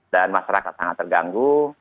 dan masyarakat sangat terganggu